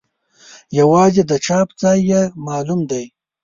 یوازې د چاپ ځای یې معلوم دی.